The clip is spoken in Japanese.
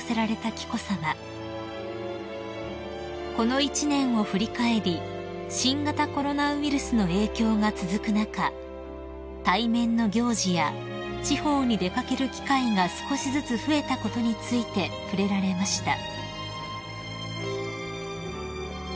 ［この一年を振り返り新型コロナウイルスの影響が続く中対面の行事や地方に出掛ける機会が少しずつ増えたことについて触れられました］